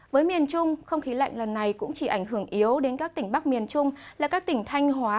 với miền trung không khí lạnh lần này cũng chỉ ảnh hưởng yếu đến các tỉnh bắc miền trung là các tỉnh thanh hóa